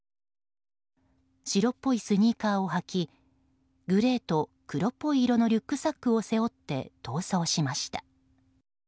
白っぽいスニーカーを履きグレーと黒っぽい色のリュックサックを背負って逃走しました。